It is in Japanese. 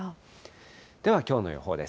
では、きょうの予報です。